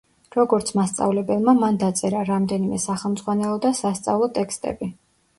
როგორც მასწავლებელმა, მან დაწერა რამდენიმე სახელმძღვანელო და სასწავლო ტექსტები.